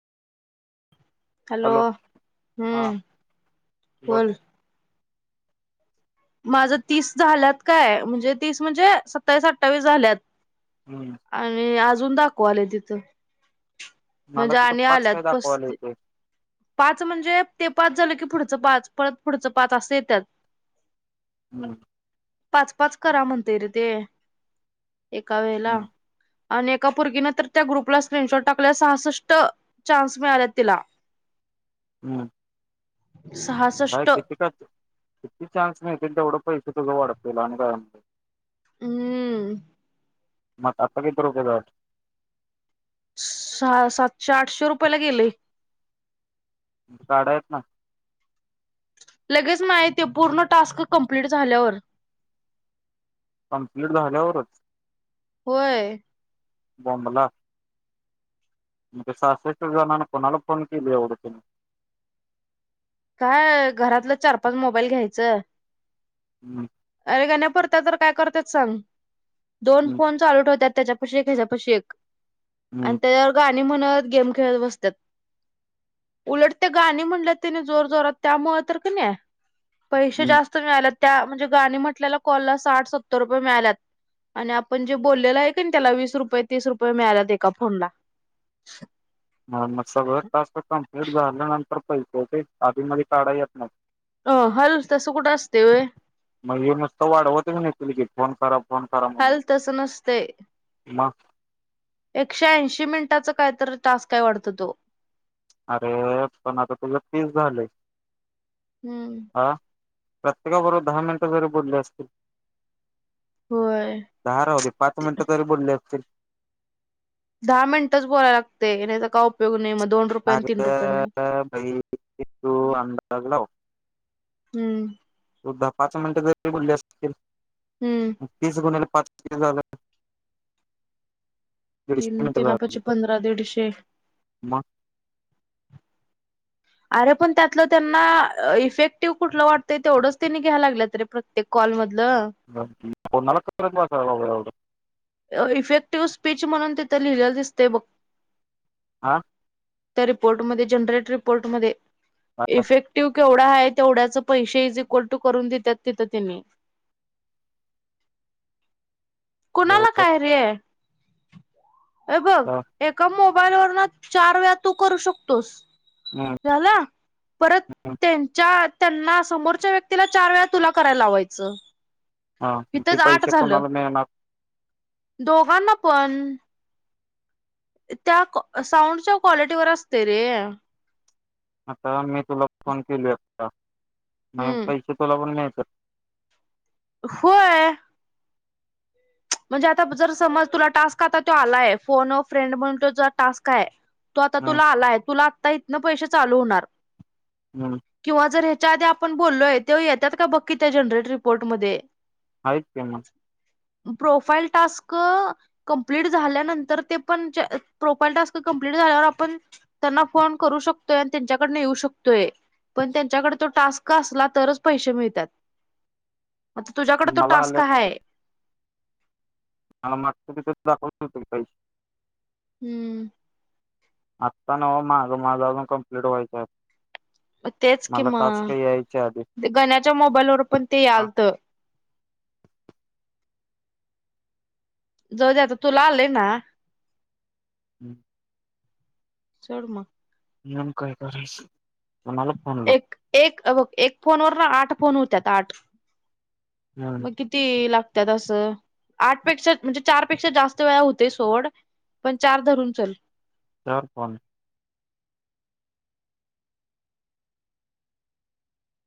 Hello! हा हम्म बोल. माझं तीस झाल्यात काय म्हणजे, तीस म्हणजे सत्तावीस अठ्ठावीस झाल्यात. हम्म आणि आज अजून दाखवालंय तिथं. मला म्हणजे तिथं आणि पाच आल्यात काय दाखवायला पस्ती येतय पाच म्हणजे ते पाच झालं की, पुढचं पाच परत पुढचं पाच असं येत्यात. हम्म. पाच पाच करा म्हणतय रे ते. एका वेळेला हम्म आणि एका पोरगीने तर त्या ग्रुपला स्क्रीनशॉट टाकल्याय सहासष्ट चान्स मिळाल्यात तिला. हम्म. काय सहासष्ट किती टास्क? किती चान्स मिळतील तेवढं पै से तेवढं वाढतील आणि काय हम्म. मग आता आपले किती रुपये झालं सहा सातशे आठशे रुपयला गेले. काढाय येत नाय. लगेच नाहीत ते पूर्ण टास्क कंप्लीट झाल्यावर. कंप्लीट झाल्यावरच. होय. बोंबला म काय सहासष्ट जाणांना कोणाला फोन केले एवढे तिने? काय घरातलं चार-पाच मोबाईल घ्यायचं हम्म. वेगाने परता तर काय करत्यात सांग? दोन हम्म फोन चालू ठेवत्यात त्याच्यापाशी एक, ह्याच्यापाशी एक आणि हम्म त्याच्यावर गा णी म्हणत गेम खेळत बसत्यात. उलट त्या गाणी म्हणलं तिने जोर जोरात त्यामुळे तर किनाय पैसे हम्म जास्त मिळाल्यात. त्या म्हणजे गाणी म्हटल्याला कॉलला साठ-सत्तर रुपये मिळाल्यात आणि आपण जे बोललेलं आहे की नाही त्याला वीस रुपये, तीस रुपये मिळाल्यात एका फोनला. ह मग सगळं टास्क कंप्लीट झाल्या नं तर पैसे येते आधीमधी काढाय येत नाय. अं हल तसं कुठं असतय व्हय? मग हे नुसतं वाढवतच नेतील की फोन करा फोन करा म्हणून हल तसं नसतय. मग एकशे ऐंशी मिनिटांचा कायतर टास्क हाय वाडतो तो अरे पण आता तुझं तीस झालंय. हूं हा प्रत्येकाबरोबर दहा मिनिटं जरी बोलले असतील. होय दहा राहू दे पाच मिनिटं तरी बोलले असतील. दहा मिनिटच बोलाया लागतय नाय तर का उपयोग नाही म दोन रुपये आणि तीन रुपये अगं बाई किती पण तू अंदाज लाव हम्म पाच मिनिटं तरी बोलली असतील. हम्म म तीस गुणिले पाच [unintelligible] झाल. तीन तीनापाची पंधरा दीडशे अरे पण त्यातलं त्यांना अ इफेक्टिव्ह कुठलं वाटतंय तेवढंच त्यांनी घ्यायला लागल्यात प्रत्येक कॉलमध- ल मग कोणाला [unintelligible] करायला लावल एवढं इफेक्टिव्ह स्पीच म्हणून तिथं लिहिलेला दिसतय बघ आ त्या रिपोर्टमध्ये जनरेट रिपोर्टमध्ये इफेक्टिव्ह जेवढ आहे तेवढ्याच पैसे इज इक्वल टू करून देतात तिथे तिनी कोणाला काय रे ये बग एका मो मोबाईल वरन चार वेळा तू करू शकतोस. हम्म झाला परत त्यांच्या त्यांना समोरच्या व्यक्तीला चार वेळा तुला करायला लावायचं. हा ते इथच आठ पैसे झालं. कोणाला मिळणार दोघांना पण त्या साऊंडच्या क्वालिटीवर असतय रे आता मी तुला फोन केलंय आता म हम्म पैसे तुला पण मिळ [inaudible] होय. म्हणजे आता जर समज तुला टास्क आता त्यो आलाय. फोन अ फ्रेंड म्हणून तो जो टास्क आहे. तू आता हम्म तुला आलाय, तुला आत्ता इतन पैसे चालू होणार, हम्म किंवा जर हे, त्या आधी आपण बोललोय, त्याव येत्यात का बकी त्या जनरेट रिपोर्टमध्ये. हायच की, मग प्रोफाईल टास्क कंप्लीट झाल्या नंतर, ते पण प्रोफाईल टास्क कंप्लीट झाल्यावर, आपण त्यांना फोन करू शकतोय, आणि त्यांच्याकडनं येऊ शकतोय पण त्यांच्याकडे तो टास्क असला, तरच पैसे मिळतात. म तुझ्याकडे तो मला टास्क आल्यात हाय मला मागचं [unintelligible] तीथ दाखवतो तुम्ही काही हम्म! आत्ता नव मागं माझं अजून कम्प्लीट व्हायचं. तेच कि, मला टास्क यायच्या आधी मग गण्याच्या मोबाईलवर पण ते यालतं. जाऊ द्या, आता तूला आलयं ना. हम्म! चढ मग [unintelligible] काय करायच. एक एक हे बघ एक फोन वर न आठ फोन होत्यात, आठ मग किती लाग त्यात असं आठ पेक्षा म्हणजे चार पेक्षा जास्त वेळा होतय, सोड पण चार धरून चला. दर पण